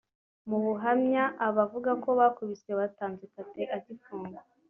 Mu buhamya abavuga ko bakubiswe batanze Kate agifungwa